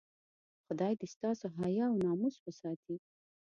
خدای دې ستاسو حیا او ناموس وساتي.